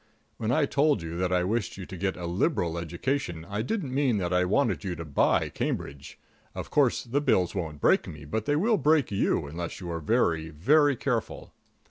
When I told you that I wished you to get a liberal education, I didn't mean that I wanted to buy Cambridge. Of course the bills won't break me, but they will break you unless you are very, very careful.